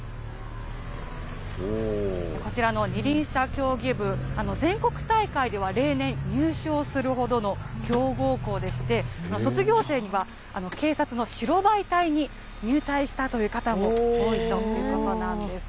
こちらの二輪車競技部、全国大会では例年、入賞するほどの強豪校でして、卒業生には、警察の白バイ隊に入隊したという方も多いということなんです。